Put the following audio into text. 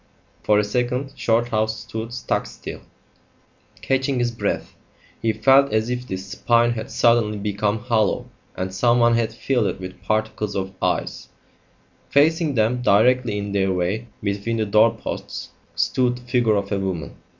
For a second Shorthouse stood stock still, catching his breath. He felt as if his spine had suddenly become hollow and someone had filled it with particles of ice. Facing them, directly in their way between the doorposts, stood the figure of a woman.